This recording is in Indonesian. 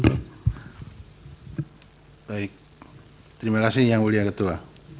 baik terima kasih yang mulia ketua